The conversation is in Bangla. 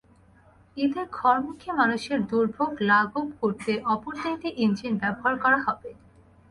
ঈদে ঘরমুখী মানুষের দুর্ভোগ লাগব করতে অপর তিনটি ইঞ্জিন ব্যবহার করা হবে।